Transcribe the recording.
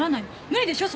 無理でしょ？